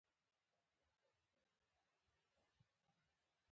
دا اړیکه د هر فرد لپاره ده.